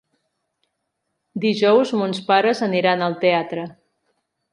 Dijous mons pares aniran al teatre.